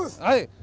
はい。